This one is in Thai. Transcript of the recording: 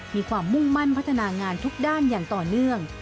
มีความมุ่งมั่นพัฒนางานทุกด้านอย่างต่อเนื่อง